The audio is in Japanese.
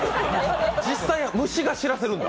実際に虫が知らせるんだ。